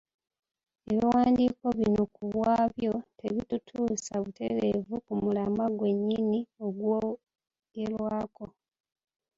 Ebiwandiiko bino ku bwabyo tebitutuusa butereevu ku mulamwa gwennyini ogwogerwako.